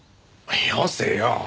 よせよ。